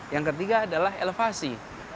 yang ketiga adalah elevasi